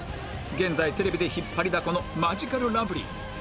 現在テレビで引っ張りだこのマヂカルラブリー